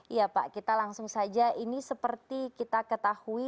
iya pak kita langsung saja ini seperti kita ketahui